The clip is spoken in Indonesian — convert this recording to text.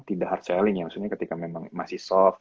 tidak hard selling ya maksudnya ketika memang masih soft